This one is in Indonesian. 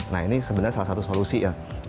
nah ini sebenarnya salah satu solusi ya